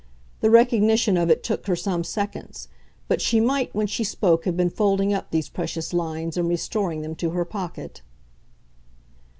The recognition of it took her some seconds, but she might when she spoke have been folding up these precious lines and restoring them to her pocket.